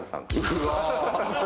うわ！